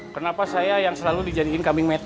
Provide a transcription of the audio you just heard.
kenapa saya yang selalu dijanjiin coming matter